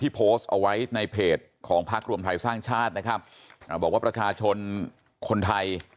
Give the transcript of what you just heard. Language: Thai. โพสต์เอาไว้ในเพจของพักรวมไทยสร้างชาตินะครับบอกว่าประชาชนคนไทย